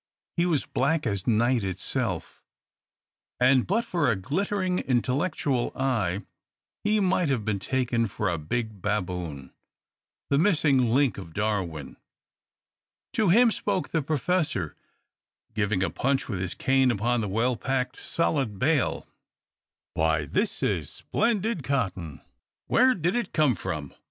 He was black as night itself; and but for a glittering, intellectual eye, he might have been taken for a big baboon, the missing link of Darwin. To him spoke the Professor, giving a punch with his cane upon the well packed, solid bale: "Why, this is splendid cotton! Where did it come from?